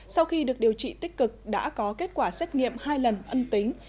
sau khi được điều trị tích cực đã có kết quả xét nghiệm hai lần âm tính